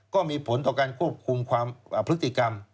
ก็มีผลต่อการควบคุมความพฤติกรรม